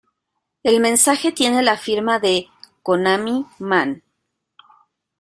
El mensaje tiene la firma de Konami Man.